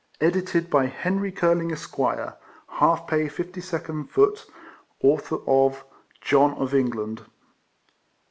EDITED BY HENRY CURLING, Esq., HALF PAY 52d foot, AUTHOR OF "JOHN OF ENGLAND."